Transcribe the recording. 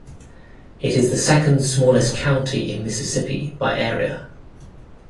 It is the second-smallest county in Mississippi by area.